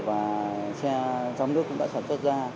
và xe trong nước cũng đã sản xuất ra